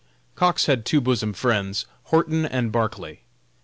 ] Cox had two bosom friends Horton and Barclay.